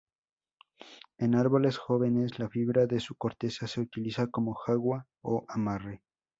En árboles jóvenes la fibra de su corteza se utiliza como "jagua" o amarre.